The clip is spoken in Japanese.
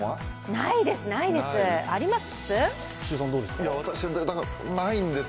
ないです、ないです。